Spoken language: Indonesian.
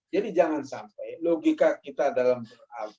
jadi jangan sampai logika kita dalam